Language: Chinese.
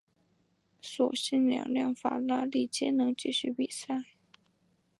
所幸两辆法拉利皆能继续比赛。